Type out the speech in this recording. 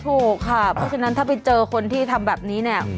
ถูกค่ะเพราะฉะนั้นถ้าไปเจอคนที่ทำแบบนี้เนี่ย